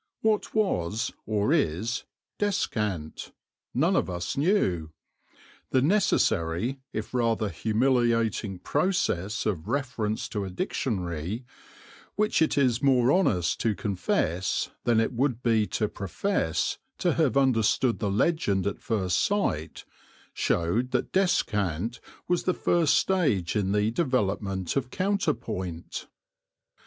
What was, or is, "descant"? None of us knew. The necessary if rather humiliating process of reference to a dictionary, which it is more honest to confess than it would be to profess to have understood the legend at first sight, showed that descant was the first stage in the development of counterpoint.